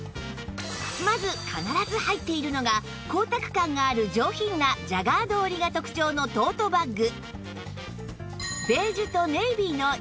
まず必ず入っているのが光沢感がある上品なジャガード織りが特長のトートバッグ